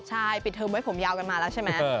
ใช่ปิดเทอมไว้ผมยาวกันมาแล้วใช่ไหม